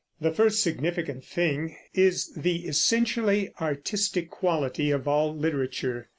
The first significant thing is the essentially artistic quality of all literature.